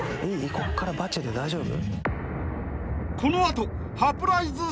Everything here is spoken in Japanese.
こっからバチェで大丈夫？